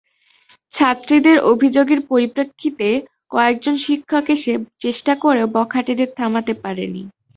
ছাত্রীদের অভিযোগের পরিপ্রেক্ষিতে কয়েকজন শিক্ষক এসে চেষ্টা করেও বখাটেদের থামাতে পারেনি।